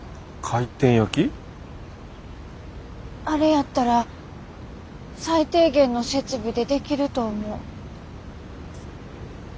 あれやったら最低限の設備でできると思う。